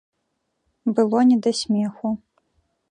Было не да смеху.